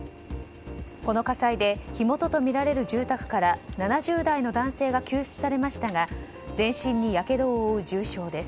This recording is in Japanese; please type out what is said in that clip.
この火災で火元とみられる住宅から７０代の男性が救出されましたが全身にやけどを負う重傷です。